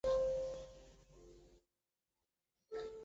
斯德哥尔摩市是瑞典中东部斯德哥尔摩省的一个自治市。